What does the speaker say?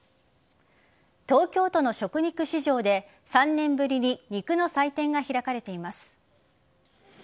東京都の食肉市場で３年ぶりに肉の祭典が開かれています。